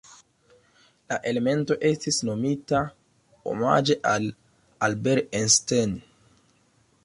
La elemento estis nomita omaĝe al Albert Einstein.